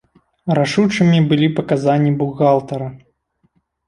Рашучымі былі паказанні бухгалтара.